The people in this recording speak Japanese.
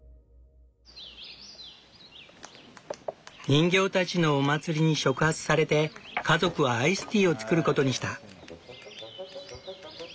人形たちのお祭りに触発されて家族はアイスティーを作ることにした。